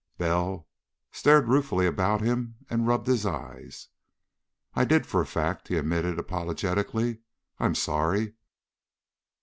Bell stared ruefully about him and rubbed his eyes. "I did, for a fact," he admitted apologetically. "I'm sorry.